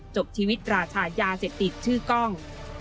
จบชีวิตราชายาเสพติดชื่อกล้อง